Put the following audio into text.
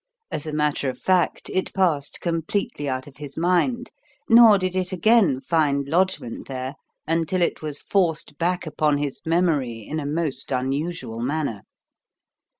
As a matter of fact, it passed completely out of his mind; nor did it again find lodgment there until it was forced back upon his memory in a most unusual manner.